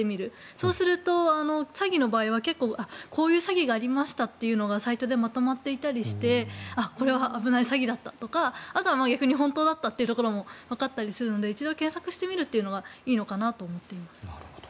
そうすると、詐欺の場合はこういう詐欺がありましたというのがサイトでまとまっていたりしてこれは危ない詐欺だったとか逆に本当だったということもわかったりするので一度検索してみるというのがいいのかなと思っています。